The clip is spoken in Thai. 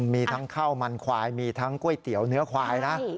มีทั้งข้าวมันควายมีทั้งก๋วยเตี๋ยวเนื้อควายนะ